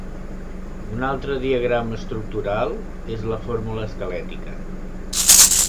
Un altre diagrama estructural és la fórmula esquelètica.